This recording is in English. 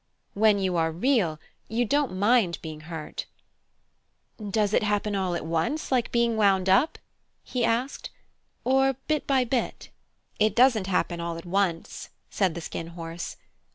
"When you are Real you don't mind being hurt." "Does it happen all at once, like being wound up," he asked, "or bit by bit?" "It doesn't happen all at once," said the Skin Horse.